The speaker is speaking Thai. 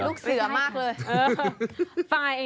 ลูกเสือมากเลย